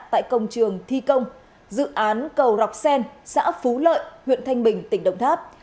tại công trường thi công dự án cầu rọc xen xã phú lợi huyện thanh bình tỉnh đồng tháp